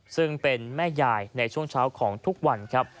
ซึ่งเป็นแม่ยายในช่วงเช้าของทุกวันครับ